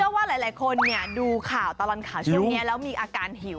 ว่าหลายคนดูข่าวตลอดข่าวช่วงนี้แล้วมีอาการหิว